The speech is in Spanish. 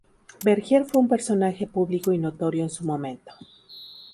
Bergier fue un personaje público y notorio en su momento.